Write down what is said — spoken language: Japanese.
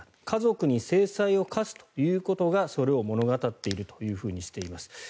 家族に制裁を科すということがそれを物語っているというふうにしています。